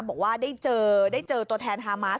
บอกว่าได้จอตัวแทนฮามัส